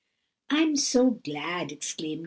"I'm so glad!" exclaimed No.